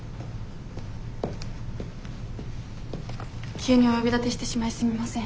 急にお呼び立てしてしまいすみません。